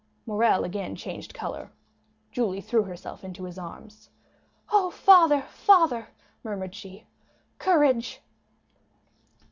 Morrel again changed color. Julie threw herself into his arms. "Oh, father, father!" murmured she, "courage!"